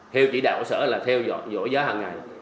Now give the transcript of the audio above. theo chỉ đạo của sở là theo dõi giá hằng ngày